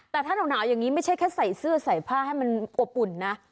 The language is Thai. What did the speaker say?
แต่ถ้าหนาวอย่างนี้ไม่ใช่แค่ใส่เสื้อใส่ผ้าให้มันอบอุ่นนะ